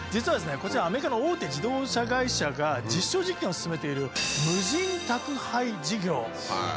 こちらアメリカの大手自動車会社が実証実験を進めているへえ！